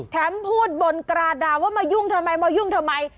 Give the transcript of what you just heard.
พูดบนกราดด่าว่ามายุ่งทำไมมายุ่งทำไม